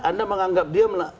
anda menganggap dia